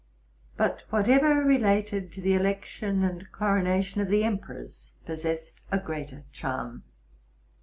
But whatever related to the election and coronation of the emperors possessed a greater charm.